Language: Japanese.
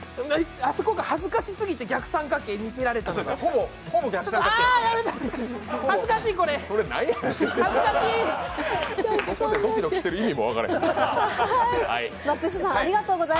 あそこが恥ずかしすぎて逆三角形見せられたとき。